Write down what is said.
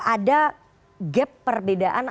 ada gap perbedaan